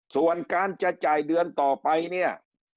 ส่วนการจะจ่ายเดือนต่อไปเนี่ย